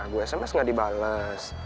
gue sms gak dibalas